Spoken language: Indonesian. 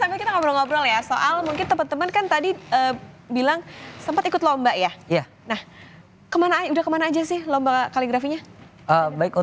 tapi kita ngobrol ngobrol ya soal mungkin teman teman kan tadi bilang sempat ikut lomba ya nah udah kemana aja sih lomba kaligrafinya